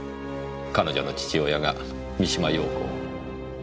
彼女の父親が三島陽子を。